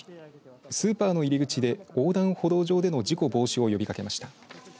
スーパーの入り口で横断歩道上での事故防止を呼びかけました。